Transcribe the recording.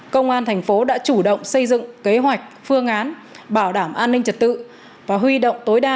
công an thành phố đã chủ động xây dựng kế hoạch phương án bảo đảm an ninh trật tự và huy động tối đa